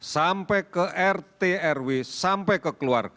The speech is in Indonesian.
sampai ke rt rw sampai ke keluarga